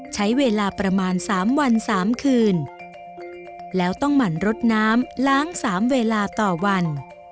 ใช้เวลาประมาณ๓วัน๓คืนแล้วต้องหมั่นรดน้ำล้าง๓เวลาต่อวัน